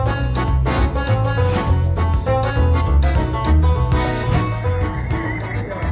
อันนี้ไม่สูงสี